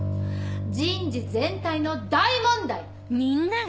人事全体の大問題！